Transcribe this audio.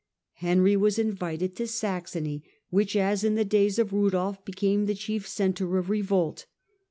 Henry was invited to Saxony, which, as in the days of Eudolf, became the chief centre of revolt.